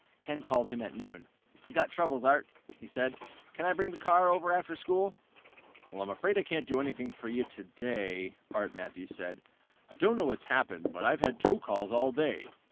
Ken called him at noon. "I've got troubles, Art," he said. "Can I bring the car over after school?" "I'm afraid I can't do a thing for you today," Art Matthews said. "I don't know what's happened, but I've had tow calls all day.